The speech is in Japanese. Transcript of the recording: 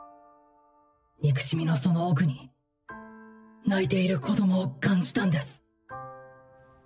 憎しみのその奥に泣いている子どもを感じたんです。